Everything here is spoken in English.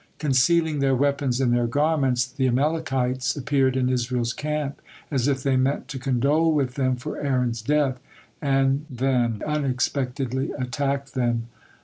Concealing their weapons in their garments, the Amalekites appeared in Israel's camp as if they meant to condole with them for Aaron's death, and the unexpectedly attacked them.